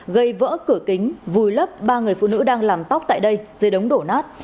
gây vỡ cửa kính vùi lấp ba người phụ nữ đang làm tóc tại đây dưới đống đổ nát